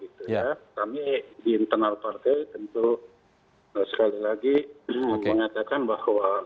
kami di internal partai tentu sekali lagi mengatakan bahwa